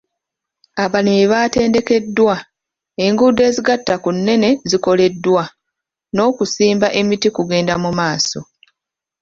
Abalimi baatendekeddwa, enguudo ezigatta ku nnene zikoleddwa, n'okusimba emiti kugenda mu maaso.